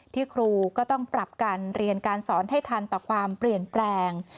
ครูก็ต้องปรับการเรียนการสอนให้ทันต่อความเปลี่ยนแปลง